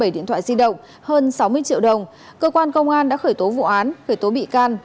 bảy điện thoại di động hơn sáu mươi triệu đồng cơ quan công an đã khởi tố vụ án khởi tố bị can